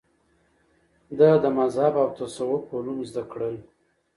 ده د مذهب او تصوف علوم زده کړل